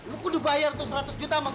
lo kudu bayar tuh seratus juta sama gue